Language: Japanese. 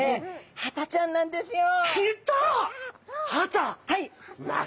ハタちゃんなんですよ。来た！